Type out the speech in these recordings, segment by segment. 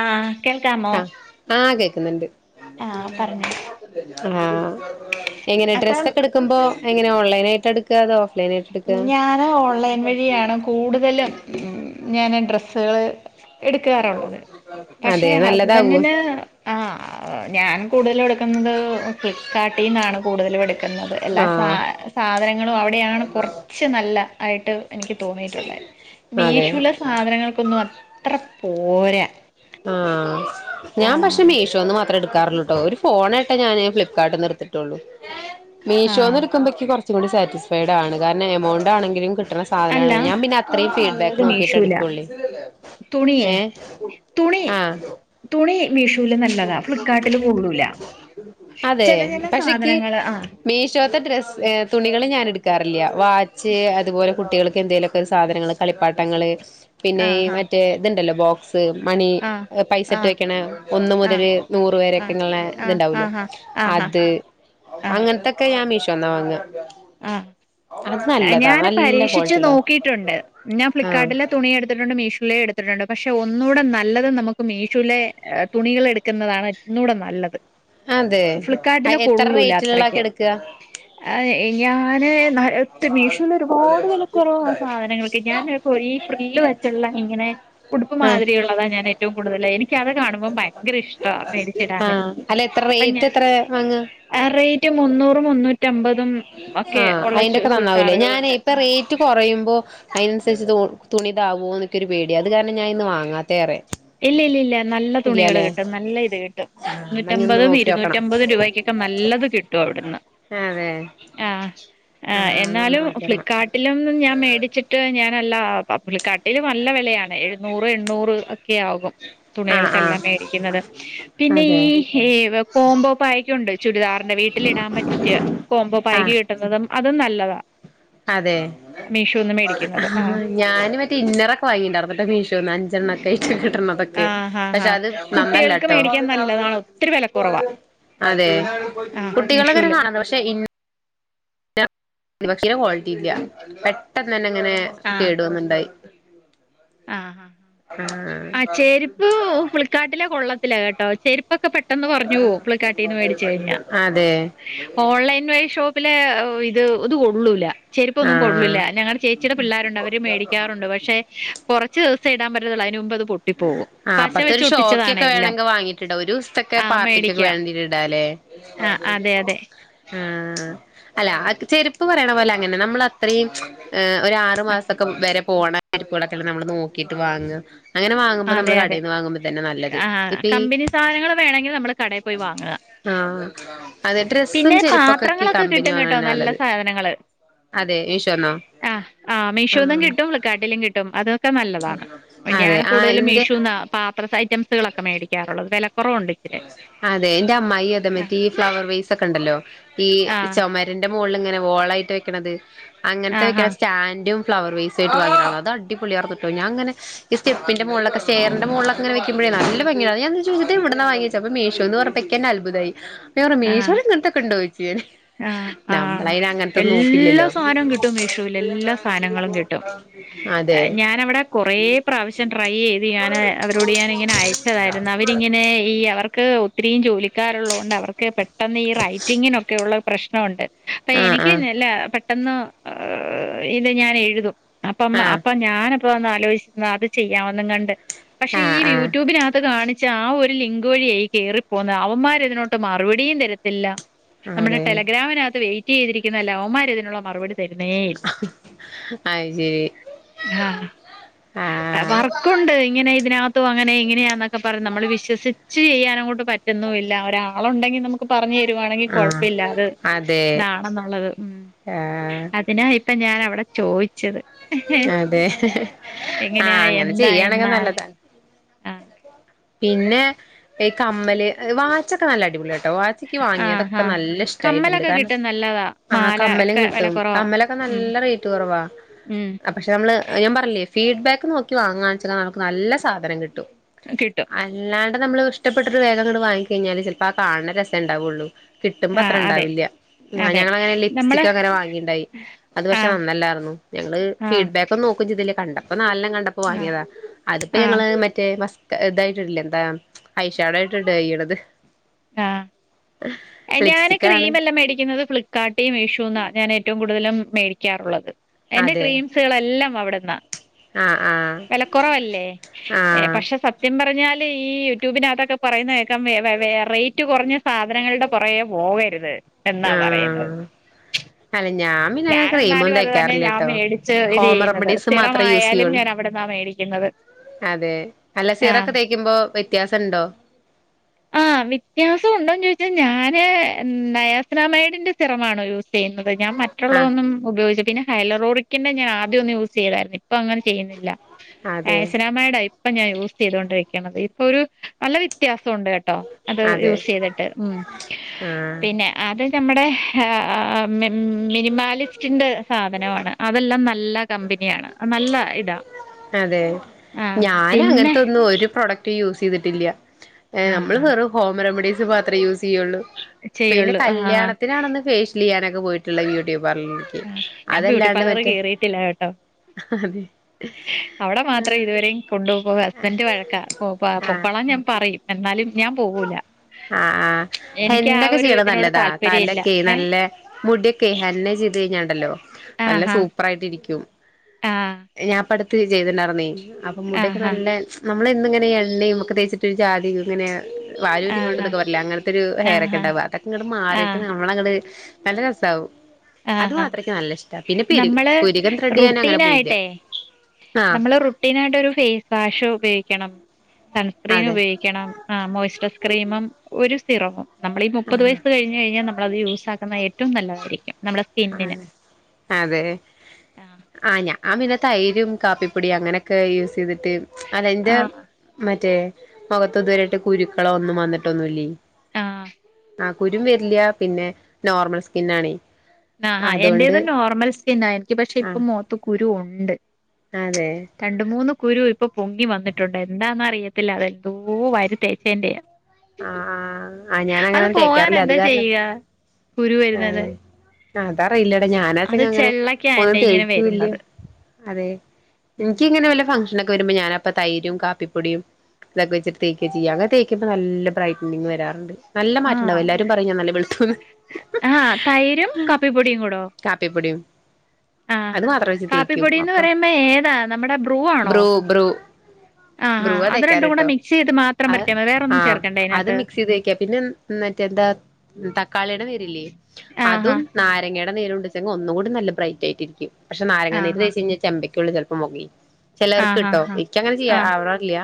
ആ കേൾക്കാമോ ആ കേക്ക്ന്ന്ണ്ട് ആഹ് പറഞ്ഞോ [unintelligible] ആ എങ്ങനെ അപ്പം ഡ്രസ്സെക്കെട്ക്കുമ്പോ എങ്ങനെ ഓൺലൈനായിട്ട ഇട്ക്ക അതോ ഓഫ്‌ലൈനായിട്ട് എടുക്ക ഞാന് ഓൺലൈൻ വഴിയാണ് കൂടുതലും ഞാന് ഡ്രെസ്സുകള് എട്ക്കാറുള്ളത് അതെ പക്ഷെ നല്ലതാവോ ഹസ്ബൻഡിന് ആ ഞാൻ കൂടുതലുട്ക്കുന്നത് ഫ്ലിപ്കാർടീന്നാണ് കൂടുതലും എടുക്കുന്നത് എല്ലാ സാ ആഹ് സാധനങ്ങളും അവിടെയാണ് കൂ കൊറ്ച്ചു നല്ല ആയിട്ട് എനിക്ക് തോന്നീട്ടൊള്ളേ, അതെ മീഷോലെ സാധനങ്ങൾക്കൊന്നു അത് ത്ര പോരാ. ആ. ഞമ്പക്ഷേ ആഹ് മീഷോന്നുമാ ത്രെടുക്കാറുള്ളുട്ടോ, ഒരു ഫോണേറ്റൊ ഞാന് ഫ്ലിപ്കാർട്ടീന്നെടുത്തിട്ടുള്ളു. ആഹ് മീഷോന്നെടുക്കുമ്പനിക്ക് കൊറ ചുകൂടി സാറ്റിസ്‌ഫൈടാണ് കാരണം എമൗണ്ടാണെങ്കിലും കിട് ട്ടണ സാധനാണ് അല്ല ഞാൻ പിന്നെ അത്രേം തുണി ഫീഡ്ബാക്ക് നല്ലത് നോക്കീട്ടെ മീഷൂല എടുക്ക്വള്ളേ. തുണീ തുണി. മീഷോലെ നല്ലതാ ഫ്ലിപ്കാർട്ടില് കൊള്ളൂല. അതെ ചെല ചെല പക്ഷെക്ക് സാധനങ്ങള് ആ ക്കാറില്ല്യ. വാച്ച് അതുപോലെ കുട്ടികൾക്ക് എന്തേലുഒക്കെ സാധനങ്ങള് കളിപ്പാട്ടങ്ങള് പിന്നെ ഈ ആഹ് മറ്റേ ഇതൊണ്ടല്ലോ, ബോക് സ് മണി ആഹ് ആഹ് പൈസട്ടു വെക്കണ ഒന്ന് ആഹ് മുതല് നൂറു ആഹ് ആഹ് വരേക്കങ്ങൊള്ള ആഹ് ഇതുണ്ടാവൂലോ ആഹ് ആഹ് അത്, അങ്ങനത്തെക്കെ ഞാൻ മീഷോ ഷോന്നാ വാങ്ങാ. ആ ഞാന് നല്ല ക്വാളിറ്റി ഉള്ളതാ പരീക്ഷിച്ചുനോക്കീട്ടുണ്ട് ഞാൻ ആഹ് ഫ്ലിപ്കാർട്ടിലെ തുണീയെടുത്തിട്ടൊണ്ട് മീഷോ ലേടുത്തിട്ടൊണ്ട് പക്ഷെ ഒന്നൂടെ നല്ലത് നമ്മക്കു മീഷോലെ തുണികളെടുക്കുന്നതാണ് ഒന്നൂടെ നല്ലത്. അതേ, ആ ഫ്ലിപ്കാർട്ടിലെ എത്ര കൊള്ളൂല അത്രയ്ക്ക് റേറ്റിലൊള്ളതൊക്കെയാ എടുക്കുക? ആ, ഞാന് അ മീഷോയിലൊരുപാട് വെലക്കൊറവാ സാധനങ്ങൾക്ക് ഞാന് പ്പോ ഈ ഫ്രില്ല് വച്ചൊള്ള ഇങ്ങനെ ഉടുപ്പ് ആഹ് മാതിരിയൊള്ളതാ ഞാനെറ്റോം കൂടുതലായി എനിക്കതു കാണുമ്പം ഭയങ്കര ഇഷ്ടാ മേടിച്ചിടാന് ആഹ് അല്ല എത്ര അപ്പം റേറ്റ് ഞാൻ, എത്ര വാങ്ങ അ റേറ്റ് മുന്നൂറ്‌ മുന്നൂറ്റ റ്റമ്പതോ. ആ അയിന്റക്കെ നന്നാവൂലെ ഞാനേ ഇപ്പ ആ റേറ്റ് കൊറയുമ്പോ അയിനനുസരിച്ചു ഇതോ തുണീതാവുമൊന്നൊക്കെ ഒരു പേടി അതുകാരണം ഞാനിന്നു വാങ്ങാത്തെ ഏറെ. ഇല്ലില്ലില്ല നല്ല തുണികള് കിട്ടും നല്ല ഇതു കിട്ടും ആഹ് എന്നാ ഇനി ഒന്ന് നൂറ്റമ്പതും നോക്കിയോക്കണം ഇരുന്നൂറ്റമ്പതും രൂപയ്ക്കൊക്കെ നല്ലതു കിട്ടുഅവിടുന്ന്. അതെ ആ ആ ആഹ് എന്നാ ഒന്ന് എന്നാലും നോക്കിയോക്കണം ഫ്ലിപ്കാർട്ടിലന്നും ഞാൻ മേടിച്ചിട്ട് ഞ അങ്ങനല്ലാ ഫ്ലിപ്കാർട്ടില് നല്ല വെലയാ. എഴ്‌നുറ് എണ്ണൂറ് ആകും ആഹ് ആഹ് തുണികൾക്കെല്ലാം മേടിക്കുന്നത് പിന്നെ അതെ ഈ കോംബോ പാക്ക ണ്ടോ ചുരിദാർ വീട്ടിൽ ഇടാൻ പറ്റിയ കോമ്പോ പായ്ക്ക് ആഹ് കിട്ടന്നതും അത് ന നല്ലതാ അതെ മീഷോന്ന് ഹ മേടിക്കുന്നത് ആഹ് ഹ ഞാനുരീ ഇന്നറൊക്കെ വാങ്ങിയിണ്ടായിരുന്നു മേശോന്ന് അഞ്ചെണ്ണക്കെ [inaudible] എന്നതോക്കെ ആഹ് ആഹ് പക്ഷേ ആഹ് അത് കുട്ടികൾക്ക് നന്നല്ലട്ടോ മേടിക്കാൻ നല്ലതാണ് ഒത്തിരി വെലക്കുറവാ അതെ ആഹ് കുട്ടികളെത് മീഷോല് [unintelligible] പക്ഷെ ഇന് ഒരു പക്ഷേ കോളിറ്റി ഇല്ല പെട്ടെന്നെന്നെ അങ്ങനെ കേടുവന്നിണ്ടായി ആ ഹ ചെരുപ്പ് ഫ്ലിപ്കാർട്ടിലെ കൊള്ളത്തില്ല ഏ അ ചേരുപ് പ്പ്ക്കെ പെട്ടെന്ന് പറഞ്ഞുപോകും ഫ്ലിപ്കാർട്ടിന്ന് മേടിച്ചു കഴിഞ്ഞ ആ അതെ ഓൺലൈൻവെൻ ഷോപ്പില് വി ത് അതു കൊള്ളൂല ചെരുപ്പ് ആ ഒന്നും കൊള്ളൂല ഞങ്ങടെ ചേച്ചിടെ പിള്ളേരുണ്ട് അവര് മേടിക്കാറുണ്ട് പക്ഷെ കുറച്ചുദിവസം ഇടാൻ പറ്റത്തേള്ളു അനുമുമ്പതു ആ അപ്പത്തെ ഒരു ഷോയിക്ക് ഒക്കെ എല്ലാം വേണങ്കി വാങ്ങിട്ടിടാം ഒരു ദിവസത്തെ ആ പാർട്ടിക്ക് ഒക്കെ മേടിക്കാം വേണമെങ്കി ഇടാം ല്ലെ ആ അതെ അതെ മ് അല്ല അത് ചെരുപ്പ് പറയണ പോലെ അങ്ങനെ നമ്മള് അത്രയും ആ ഒരു ആ ആറുമാസക്കെ വരെ പോണ അര്പു കളോക്കെ നമ്മൾ നോക്കിയിട്ട് വാങ്ങ അങ്ങനെ വാങ്ങുമ്പോ അതെ നമ്മള് അതെ കടയിൽന്ന് വാങ്ങുമ്പോ തന്നെ നല്ലത് ആ ഇപ്പൊ ഈ കമ്പിനിസാധനങ്ങൾ വേണങ്കിൽ നമ്മൾ കടയിൽ പോയി വാങ്ങ ആഹ് അതെ ഡ്രസ്സും പിന്നെ ചെരുപ്പൊക്കെ ഈ പാത്രങ്ങളെക്കെ കമ്പനി കിട്ടും വാങ്ങണ കെട്ടോ നല്ല നല്ലത് സാധനങ്ങള് അതെ മീഷോന്നോ അ ആ മിശോന്നും ആഹ് കിട്ടും ഫ്ലികാർട്ടിലും കിട്ടും അതക്കെ നല്ലതാണ് ഞ അതെ ആഹ് കൂടുതലും എന്റെ മീശോന്ന പാത്രസൈറ്റം കുട്ടികളൊക്കെ മേടിക്കാറുള്ളത് വെല അതെ എൻ്റെ അമ്മയി അതെ റ്റീ ഈ ഫ്ലവർവൈസ് ഒക്കെ ഉണ്ടല്ലോ ഈ ആ ചുമരിന്റെ മോള്ള് ങ്ങനെ വോളായിട്ട് വെക്ന്ണത് ആ അങ്ങൻത്തെ ആ ക്കണ സ്റ്റാൻന്റും ഫ്ലവർ വൈസ് [unintelligible] അത് അടിപൊളിയാർന്നുട്ടോ ഞാൻ ഇങ്ങനെ സ് ഈ സ്റ്റെപ്പിന്റെ മുകളിൽ ലൊക്കെ ഷെയറിന്റെ മുകളിലൊക്കെ ഇങ്ങനെ വയ്ക്കുമ്പോഴേ നല്ല ഭംഗിയായിരു ഞാൻ ചോദി ഇതെവിടുന്നാ വാങ്ങിയ ച്ചപ്പോ മിശോന്ന് വറപ്പം കിന്നെ അൽഭുതയി ഞവറ മിശോയിൽ ഇങ്ങൻത്തെ ഒക്കെ ഉണ്ടോയ്ച്ചി ഞാന് അ ആ എല്ല സാനവും കിട്ടും മിശോല് എല്ലാ സാധനങ്ങളും കിട്ടും അതെ ഞാൻ അവിടെ കുറെ പ്രാവശ്യം ട്രൈ എയ്ത് ഞാന് അവരോട് ഞാനിങ്ങനെ അയച്ചതായിരുന്നു അവര്‌യിങ്ങനെ ഈ അവർക്ക് ഒത്തിരി ജോലിക്കാര് ഉള്ളോണ്ട് അവർക്ക് പെട്ടെന്ന് ഈ റയിറ്റിംഗിന് ഒക്കെയുള്ള പ്രശ്‌നം ഉണ്ട് ഇപ്പം ആഹ് എനിക്ക് ആഹ് നല്ല പെട്ടെന്ന് അ് ഇത് ഞാനെഴുതും അപ്പം ആഹ് അപ്പം ഞാ അപ്പോണ് ആലോയിച്ന്ന് അത് ചെയ്യാമെന്ന്ങ്ങാണ്ട് പക്ഷെ ഈ ആഹ് ആഹ് വ്യൂറ്റുബിനക് ത് കാണി ചാ ഒരു ലിങ്ക് വഴിയേ കേറി പോന്ന അവൻമാര് ഇതിനോട്ട് മറുവടീ തരത്തില്ല നമ്മുടെ ആതെ ടെലഗ്രാമിനകത്ത് വെയി റ്റിയ്തിരിക്കുന്നല്ല ഓമാര് ഇതിനുള്ള മറുപടി തര്ണെഇല്ല അത് ശരി ആ ആഹ് വർക്കുണ്ട് ഇങ്ങനെ ഇതിനകത്ത് ത്തു അങ്ങനെ ഇങ്ങനെയാണ്. ക്കെ പറിം നമ്മള് വിശ്വസിച്ചാ ചെയ്യാനങ്ങോട്ട് പറ്റുന്നുവില്ല അവരാ ആള ഉണ്ടെങ്ക നമക്ക് പറഞ്ഞു തരുവാണെങ്കിൽ കുയ ആഹ് ല്ലാതെ അതെ ഇതാണെന്നുള്ളത് ഉ ആഹ് അതിന ഇ ഇപ്പൊ ഞാൻ അവിടെ ചോയിച്ച അതെ ആഹ എങ്ങനെയാ അങ്ങനെ എന്താ ചെയ്യയാണെങ്കിൽ എന്നാണ് നല്ലതാണ് ആ പിന്നെ ഈ കമ്മല് വാച്ചൊക്കെ നല്ല അടിപൊളിയ ഇട്ടവാച്ചക്ക് ആ വാങ്ങിയതൊക്കെ ആ നല്ല ഇഷ്ടായിട്ടുണ്ട് കമ്മലൊക്കെ കാരണം കിട്ടും നല്ലതാ ആഹ മാല കമ്മലും ഒക്കെ വില കിട്ടും കുറവാ കമ്മലൊക്കെ ഉം നല്ല റേറ്റ് കുറവാ ഉം നമ്മള് ഞാൻ പറഞ്ഞില്ലേ ഫീഡ്ബാക്ക് നോക്കി വാങ്ങാച്ച നമക്ക് നല്ല സാധനം കിട്ടും കിട്ടും അല്ലാ അവിടെ നമ്മള് ഇഷ്ടപ്പെട്ടരു വേഗംങ്ങട് വാങ്ങി കഴിഞ്ഞാ ചിലപ്പോ ആ കാണ രസ ഉണ്ടാവുള്ളൂ കിട്ടുമ്പോ ആ അത്ര അതെ ഇണ്ടാവില്ല ആ അതെ ഞങ്ങ അങ്ങനെ നമ്മള് ലിപ്സ്റ്റിക് അങ്ങനെ വാങ്ങിണ്ടായി അത് ആ പക്ഷെ നന്നല്ലായിരുന്നു ഞങ്ങള് ആ ഫീഡ് ബാക്ക് ഒ നോക്കോ ഇതില് കണ്ട അപ്പ നല്ല കണ്ടപ്പോ ആ വാങ്ങിയതാ അതിപ്പോ ആ ഞങ്ങള് മറ്റേ ഇതായിട്ടിടില്ലേ എന്താ ഐഷാഡായിട്ടിടെ ചെയ്യണത്. ആ ഞാന് ലിപ്സ്റ്റിക്കാണ് ക്രീമല്ലാം മേടിക്കുന്നത് ഫ്ലിക്കാർട്ടി മീഷോന്നാ ഞാനേറ്റവും കൂടുതലും മേടിക്കാറുള്ളത്. എന്റെ അതെ ക്രീംസുകളെല്ലാം അവിടന്നാ ആഹ് ആഹ് വെലക്കുറവല്ലേ ഏഹ് ആഹ് പക്ഷെ സത്യം പറ ഞ്ഞാല് ഈ യുട്യൂബിനകത്ത് ഒക്കെ പറയുന്നത് കേക്കാം വേ വേ റേറ്റ് കൊറഞ്ഞ സാധനങ്ങളുടെ ഇതേ ആ അല്ല ഞാൻ പിന്നെ അങ്ങനെ ക്രീം ഞാനെന്നാലും ഒന്നും അത് തന്നെ ഞാൻ തേക്കാറില്ലട്ടോ. മേടിച്ച് ഇത് ഹോം ചെയ്യുന്നത് റെമഡീസ് മാത്രേ യൂസ് സിറമായാലും ചെയ്യുള്ളൂ. ഞാൻ അവിടുന്നാ മേടിക്കുന്നത് അതേ അല്ല സിറം ആഹ് ഒക്കെ തേക്കുമ്പോ വ്യത്യാസിണ്ടോ? ആ വ്യത്യാസമുണ്ടോന്ന് ചോദിച്ചാൽ ഞാന് നയാസ്രാമൈടിന്റെ സിറം ആണ് യൂസ് ചെയ്യുന്നത്. ഞാൻ ആഹ് മറ്റുള്ളതൊന്നും ഉപയോഗിച്ചി ന ഹലോ റോയിക്കിന്റെ ആദ്യമൊന്ന് യൂസ് ചെയ്തായിരുന്നു ഇപ്പോ അങ്ങനെ ചെയ്യുന്നില്ല അതെ ആസ് നാമൈഡ് പിന്നെ ഞാൻ യൂസ് ചെയ്തു കൊണ്ടിരിക്കുന്നത്. ഇപ്പോ ഒരു നല്ല വ്യത്യാസമുണ്ട് കെട്ടോ അത് അതെ യൂസ് ചെയ്തിട്ട് ഉം ആഹ് പിന്നെ അതേ നമ്മടെ മിനിമാലി സ്റ്റിന്റെ സാധനമാണ് അതെല്ലാം നല്ല കമ്പനിയാണ്. നല്ല ഇടാം അതേ ഞാൻ അങ്ങനത്തെയൊന്നും ഒരു പ്രോഡക്റ്റും യൂസ് ചെയ്തിട്ടില്ല ആ നമ്മൾ ആഹ് വെറും ഹോം റെമഡീസ് ഇതുമാത്രേ യൂസ് ചെയ്യുള്ളൂ. പിന്നെ ചെയ്യുള്ളൂ ആഹ് കല്യാണത്തിനാണ് ഒന്ന് ഫേഷ്യൽ ചെയ്യാ പോയിട്ടുള്ള വീഡിയോ വർ ആഹ് ഞാൻ ബ്യൂട്ടി അതല്ലാതെ പാർലർ മറ്റെ കേറിയിട്ടില്ല കേട്ടോ. അവിടെ മാത്രയേ ഇതുവരെയും കൊണ്ട് പോകാൻ ഹസ്ബന്റ് വഴക്കാ. ആഹ് പൊയ്ക്കോളാ ഞാൻ പറയും എന്നാലും ഞാൻ പോവൂല ആഹ് ആഹ് എനിക്ക് ആ ഹെന്നൊക്കെ ഒരു ചെയ്യണ ഇതിനോട് നല്ലതാ താൽപര്യമില്ല തലക്കെ കഴിഞ്ഞാ ഉണ്ടല്ലോ നല്ല സൂപ്പറായിട്ട് ഇരിക്കും ആഹ് ഞാൻ അടുത്ത് ചെയ്തിട്ടുണ്ടായിരുന്നേ അപ്പോ മുടിയൊക്കെ ആഹാ നല്ല നമ്മൾ എന്നും ഇങ്ങനെ എണ്ണയും ഒക്കെ തേച്ചിട്ട് ഒരു ജാ ആഹാ [unintelligible] അങ്ങനൊത്തൊരു ഹെയർഒക്കെ ആഹാ ഉണ്ടാകാ അതൊക്കെ മാറിയിട്ട് ആഹ് നമ്മളങ്ങട് നല്ല രസാവും അത് ആഹാ മാത്രക്ക് നല്ല ഇഷ്ടമാ. പിന്നെ പിരികം പിരികം ത്രഡ് ചെയ്യാൻഅങ്ങനെ പോകാറില്ല നമ്മൾ റുട്ടീൻ ആയിട്ട് ഒരു ഫേസ് വാഷ് ഉപയോഗിക്കണം സൺ സ്ക്രീൻ അതെ ഉപയോഗിക്കണം ആ മോയി ച റൈസ് ക്രീമും ഒരു സിറവും നമ്മൾ ഈ മുപ്പത് ആഹ് വയസ് കഴിഞ്ഞ് കഴിഞ്ഞാൽ നമ്മളത് യൂസാക്കുന്നത് ഏറ്റവും നല്ലതായിരിക്കും നമ്മുടെ ആ സ്കിന്നിന് അതേ ആഹ് ആ ഞാൻ പിന്നെ തൈരും കാപ്പിപ്പൊടി അങ്ങനെയൊക്കെ യൂസ് ചെയ് അതെന്റെ ആഹ് മറ്റേ മുഖത്തിതുവരെയായിട്ട് കുരുക്കളോ ഒന്നും വന്നിട്ടൊന്നുമില്ലേ ആഹ് ആ കുരുവരില്ല പിന്നെ നോർമൽ സ്കിൻ ആണേ ആ ആ എന്റേതും നോർമൽ സ്കിൻആ എനിക്ക് പക്ഷെ ഇപ്പോ ആഹ് മുഖത്തുകുരുവു ണ്ട് അതെ കുരു ഇപ്പോ പൊങ്ങിവന്നിട്ടുണ്ട് എന്താന്നറിയത്തില്ല അതെന്തോ വാരി തേച്ചയ്ന്റെയാ ആഹ് ആഹ് ആഹ് ഞാനങ്ങനെ അതുപോവാൻ തേക്കാറില്ല അത് എന്താ കാരണം ചെയ്യാ കുരു വരുന്നത് അത് അറിയില്ലടാ അത് ഞാനച്ചങ്ങനെ ചെള്ളക്കാ ഒന്നും എന്റെ ഇങ്ങനെ തേക്കൂല്ല വരുന്നത്. അതെ ഇൻക്കിങ്ങനെ വല്ല ഫങ് ഷനൊക്കെ വരുമ്പോ ഞാനപ്പം തൈരും കാപ്പിപ്പൊടിയും ഇതൊക്കെ വെച്ചിട്ട് തേക്യാ ചെയ്യാ അതൊക്കെ തേക്കുമ്പോ നല്ല ബ്രയ്റ്റനിങ് വരാറുണ്ട് നല്ല മാറ്റണ്ടാവും എല്ലാരും പറയും ഞാൻ നല്ല വെളുത്തൂന്ന് ആ തൈരും കാപ്പിപ്പൊടിയും കു‌ടോ കാപ്പിപ്പൊടിയും ആ അത് മാത്രം വെച്ച് തേക്കും കാപ്പിപ്പൊടിന്ന് അപ്പൊ പറയുമ്പോ ഏതാ നമ്മടെ ബ്രൂ ആണോ ആ ആ ബ്രുവാ അതുരണ്ടും കൂടെ തേക്കാറ്ട്ടോ മിക്സ് ചെയ്ത് മാത്രം അത് പെരട്ടിയമതിയോ വേറൊന്നും ആഹ് ചേർക്കണ്ടേ അത് അയിനകത്ത് മിക്സ് ചെയ്ത് തേക്യാ പിന്നെ മറ്റെന്താ തക്കാ തക്കാളിടെ നീരില്ലേ ആഹാ അതും നാരങ്ങയടെ നീരും ഉണ്ടെച്ചിങ്ങെ ഒന്നൂകൂടെ നല്ല ബ്റൈറ്റായിട്ടിരിക്കും പക്ഷെ നാരങ്ങ നീര് ആഹാ തേച്ച് കഴിഞ്ഞ ചെമ്പ ക്കുള്ളിൽ [unintelligible] ആഹാ ചിലർക്ക്ട്ടോ ആഹ് ഇക്ക് അങ്ങനെ ചെയ്യാ ആഹ് ആവാറില്ല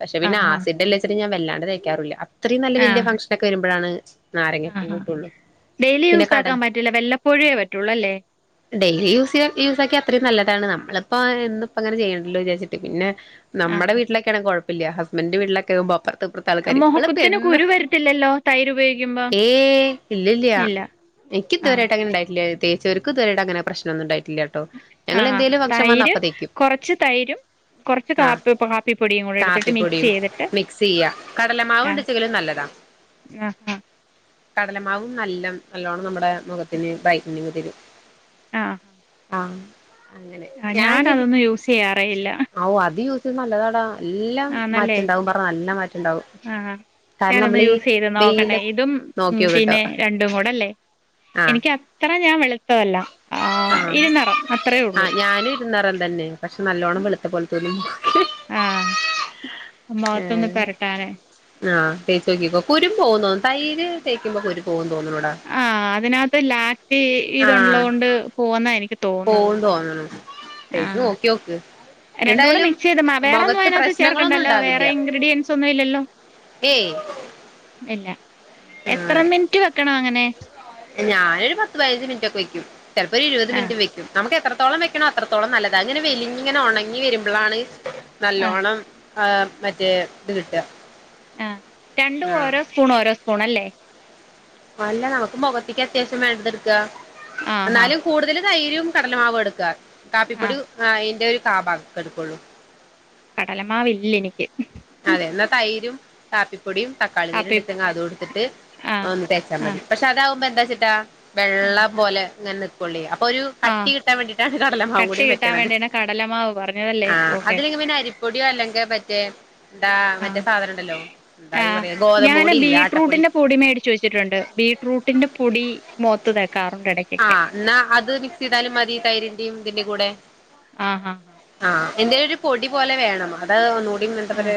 പക്ഷെ പിന്നെ ആഹ് ആസിഡ്ല്ലെച്ചിട്ട് ഞാൻ വല്ലാണ്ട് തേയ്ക്കാറില്ല അത്രയും നല്ല വല്യ ആഹ് ഫങ്ക്ഷനൊക്കെ വരുമ്പോഴാണ് നാരങ്ങൊക്കെ ആഹ് കൂട്ടോള്ളു ഡെയിലി പിന്നെ യൂസ് കടല ആക്കാൻ പറ്റില്ല വല്ലപ്പോഴേ പറ്റുള്ളൂ അല്ലേ ഡെയ്‌ലി യൂസ് ചെയ്യാൻ യൂസക്കിയാൽ അത്രേം നല്ലതാണ് നമ്മള് പ്പ എന്നുപ്പംങ്ങനെ ചെയ്യണല്ലോന്ന് ചാരിച്ചിട്ട് പിന്നെ നമ്മടെ ആഹ് വീട്ടിലൊക്കെ ആണെങ്കി കൊഴ ഇല്ല ഹസ്ബന്റിന്റെ വീട്ടിലൊക്കെവുമ്പോ [unintelligible] [unintelligible] മുഖത്തിന് തെന്ന് കുരു വരത്തില്ലല്ലോ തൈര് ഉപയോഗിക്കുമ്പോ ഏയ് ഇല്ലല്ല്യാ ഇല്ല എനിക്ക് ആഹ് ഇതുവരെയായിട്ട് അങ്ങനെ ണ്ടായിട്ടില്ല തേച്ചവർക്ക് ഇതുവരെയായിട്ട് അങ്ങനെ പ്രശ്നൊന്നും ഉണ്ടായി ആ തൈര് തേക്കും കൊറച്ച് തൈരും കൊറച്ച് ആഹ് കാപ്പി കാപ്പിപ്പൊടിയും കൂടെ എടുത്തിട്ട് മിക്സ് കാപ്പിപ്പൊടിയും ചെയ്ത്ട്ട് മിക്സ് ചെയ്യാ കടലമാവ് ആ ഉണ്ടെച്ചെങ്കിലും നല്ലതാ ആ ആ കടലമാവും നല്ലം നല്ലോണം നമ്മടെ മുഖത്തിന് ബ്റൈറ്റനിങ് ത ആ ആ ആ ഞാനതൊന്നും യൂസെയ്യാറേയില്ല ത് നല്ലതാടാ ല്ലാം മാറ്റണ്ടാവും പറഞ്ഞാ നല്ല മാറ്റണ്ടാവും ആഹ് കാരണം ഞാനൊന്ന് നമ്മളീ യൂസ് ചെയ്തു നോക്കട്ടെ വെയില് ഇതും നോക്കിയോക്ക്ട്ടോ പിന്നെ രണ്ടും കൂടെ അല്ലേ എനിക്ക് അത്ര അതിന് ഞാൻ വെള് അത്രേ ആ ഉള്ളൂ ഞാനിര്ന്നറന്തന്നെ പശെ നല്ലോണം വെളുത്ത പോൽതോ ആ മൊകതൊന്ന് പെരട്ടാന് തേചോകികോ കുരും പോവും തോന്ന്നു തൈര് തേകുംബം കുരു പോവും തോന്നുണുടാ ആ അതിനാത് ലാറ്റി ആഹ് ഇത്ള്ളോണ്ട് പോവുന്നാ എനിക്ക് തോന്ന്ണത് പോവും തോന്ന്ണു തേച്ച് ആഹ് നോക്കിയോക്ക് രണ്ടടൂടെ എന്തായാലും മിക്സെയ്താ മാ വേറൊന്നും മൊഖത്ത് അതിനാത് പ്രശ്നങ്ങളൊന്നും ചേർക്കണ്ടല്ലോ വേറെ ഉണ്ടാവില്ല ഇംഗ്റീടിയൻസൊന്നും ഇല്ലല്ലോ ഏയ് ഇല്ല എത്ര ആഹ് മിന് റ്റ് വെക്കണം അങ്ങനെ ഞാനൊരു പത്ത് പതിനഞ്ച് മിനിറ്റൊകെ വെക്യും ചെലപം ഒരു ഇരുപത് ആഹ് മിനിറ്റ് വെക്യും ഞമ്മെകെത്റ തോളം വെക്കണോ അത്രത്തോളം നല്ലത് അതങ്ങനെ വലിങ്ങനെ ഒണ ങ്ങി വരുമ്പളാണ് ആഹ് നല്ലോണം ആഹ് മറ്റേ ത് കിട്ട ആ രണ്ടും ഓരോ സ്പൂൺ ഓരോസ്പൂണല്ലേ അല്ല നമുക്ക് മുഖത്തേക്ക് അത്യാവശ്യം വേണ്ടതെടുക്ക ആഹ് ആഹ് എന്നാലും കൂടുതല് തൈരും കടലമാവും എട്കാ ആഹ് കാപ്പിപ്പൊടിം ആ അയിന്റൊര് ആ പട്ട്ക്കെട്ക്കൊള്ളൂ കടലമാവില്ലെനിക് ഉം അതെ എന്നാ തൈരും കാപ്പി പൊടിം അപ്പ തക്കാളിനീരുണ്ടെങ്കി അതെട്ത്ട്ട് ആഹ് ഒന്ന് തേച്ചാ മതി ആഹ് പശെ അതാവുമ്പോ എന്താ [unintelligible] ട്ടാ ആഹ് വെള്ളപോലെ ഇങ്ങനെ നി പൊള്ളിയ [unintelligible] ഒരു കട്ടി ആഹ് കിട്ടാൻ വേണ്ടിട്ടാണ് കടലമാവു കൂടി കട്ടി കിട്ടാൻ വെക്കണ്ണത് വേണ്ടിയാണ് കടലമാവ് പറഞ്ഞതല്ലേ [unintelligible] ഓക്കെ അതിലേക്ക് പിന്നെ അരിപ്പൊടിഓ അല്ലെങ്കേ ബ [unintelligible] ആ ആ പറയാ ഗോതമ്പ് ഞാന് പൊടി ഇല്ലേ ആട്ടപ്പൊടി ബീറ്റ്റൂട്ടിന്റെ പൊടി മേടിച്ചിവേച്ചിട്ടുണ്ട് ബീറ്റ്റൂട്ടിന്റെ പൊടി മുഖത്ത് തെക്കാറുണ്ട് ഇട ആ ന്നാ മിക്സ്‌ ചെയ്താലും മതി തൈരിന്റെം ഇതി ന്റേം കൂടെ ആ ആ എന്തലൊരു പൊടി പോലെ വേണം അതാ ഒന്നു ടിം എന്തുട്ടാ ആഹ് പറയാ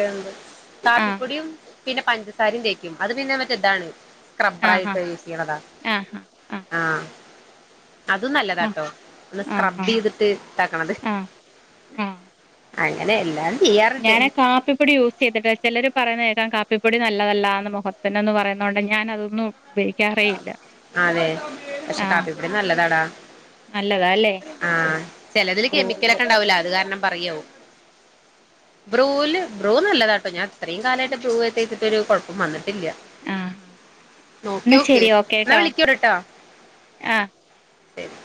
ആഹ് കാപ്പിപ്പൊടിം പിന്നെ പഞ്ചസാരേം തെക്കും അത് പിന്നെ മറ്റേ ഇതാണ് സ്ക്രബർ ആഹ് ആയിട്ട് യൂസ് ചെയ്യണതാ ആഹ് ആഹ് ആഹ് അതും ആഹ് നല്ലതാട്ടോ ഒന്ന് ആഹ് സ്ക്രബ് ആഹ് എയ്തിട്ട് തേക്കണത് ആഹ് ആഹ് അങ്ങനെയെല്ലാം ഞാന് കാപ്പിപ്പൊടി യൂസ് ചെയ്തിട്ടില്ല ചിലര് പറയുന്നത് കേൾകാം കാ പ്പിപ്പൊടി നല്ലതല്ല മുഖത്തിനെന്ന് പറയുന്നോട് ഞാൻ അതൊന്നും ഉപയോഗിക്കാറേ ഇല്ല അതെ പക്ഷേ ആഹ് കാപ്പിപ്പൊടി നല്ലതാ ഡാ നല്ലതാ അല്ലേ ആ ചേലാതില് കെമിക്കൽ ബ്രൂവിന്റെ ഓക്കേ ഉണ്ടാവില്ലേ അതുകാരണം പറയാവും ബ്രൂ ല് ബ്രൂ നല്ലതാട്ടോ ഞാൻ ഇത്രയും കാലായിട്ട് ബ്രൂ [unintelligible] ട്ട് ഒരു കൊഴപ്പം വന്നി ട്ടില്ല ആഹ് നോ എന്നാ ശരി ഓക്കേ ട്ടോ ആ ശരി